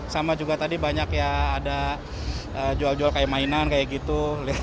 sama juga tadi banyak ya ada jual jual kayak mainan kayak gitu